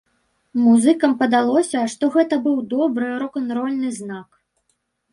Музыкам падалося, што гэта быў добры рок-н-рольны знак!